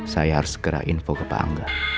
saya harus segera info ke pak angga